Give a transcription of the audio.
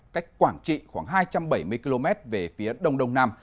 cách quảng trị khoảng hai trăm bảy mươi km về phía đông đông nam